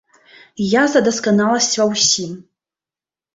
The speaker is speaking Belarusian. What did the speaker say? Я за дасканаласць ва ўсім.